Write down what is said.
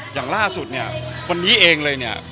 อย่างล่าสุดเนี่ยวันนี้เองเลยเนี่ย